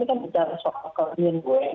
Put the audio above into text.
ini kan bicara soal keunggulan bnn ya